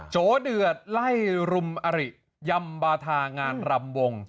โจเดือดไล่รุมอริยำบาธางานรำวง